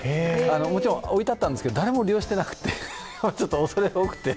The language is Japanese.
もちろん置いてあったんですけど、誰も利用していなくてちょっと恐れ多くて。